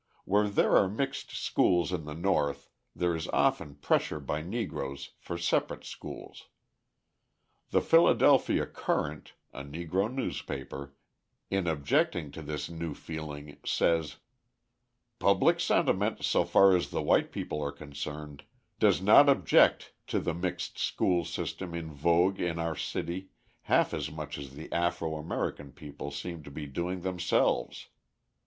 Where there are mixed schools in the North there is often pressure by Negroes for separate schools. The Philadelphia Courant, a Negro newspaper, in objecting to this new feeling, says: Public sentiment, so far as the white people are concerned, does not object to the mixed school system in vogue in our city half as much as the Afro American people seem to be doing themselves.